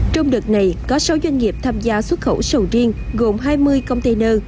trong đợt này có sáu doanh nghiệp tham gia xuất khẩu sầu riêng gồm hai mươi container